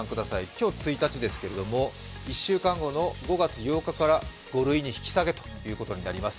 今日、１日ですけれども、１週間後の５月８日から５類に引き下げということになります。